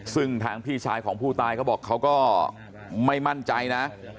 ซึ่งทางพี่ชายของผู้ตายเขาบอกเขาก็ไม่มั่นใจนะ